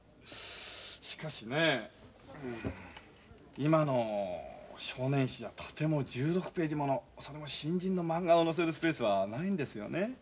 しかしね今の少年誌じゃとても１６ページものそれも新人のまんがを載せるスペースはないんですよね。